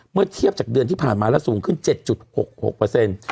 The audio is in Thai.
เมื่อเทียบจากเดือนที่ผ่านมาแล้วสูงขึ้น๗๖๖เปอร์เซ็นต์